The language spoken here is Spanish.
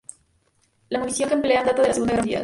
La munición que emplean data de la Segunda Guerra Mundial.